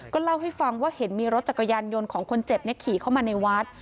เล่าให้ฟังว่าเห็นมีรถจักรยานยนต์ของคนเจ็บขี่เข้ามาในวัด